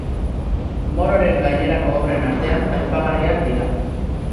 Mororen gainerako obren artean, aipagarriak dira.